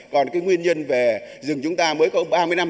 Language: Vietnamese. còn cái nguyên nhân về rừng chúng ta mới có ba mươi năm